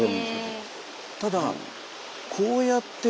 ただこうやってえ？